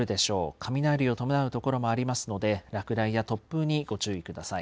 雷を伴う所もありますので、落雷や突風にご注意ください。